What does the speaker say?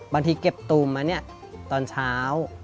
บางทีเก็บตูมมาตอนเช้า